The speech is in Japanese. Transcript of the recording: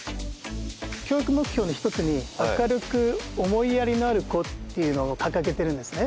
教育目標の一つに「明るく思いやりのある子」っていうのを掲げてるんですね。